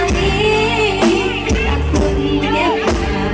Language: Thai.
อันนี้อันหาร